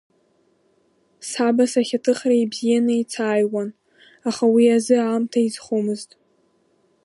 Саб асахьаҭыхра ибзианы ицааиуан, аха уи азы аамҭа изхомызт.